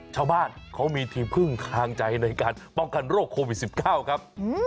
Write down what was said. ชาวบ้านเขามีที่พึ่งทางใจในการป้องกันโรคโควิด๑๙ครับ